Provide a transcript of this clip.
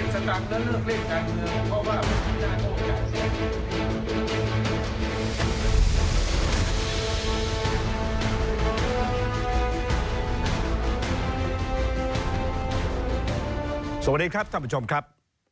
สวัสดีครับท่านผู้ชมครับ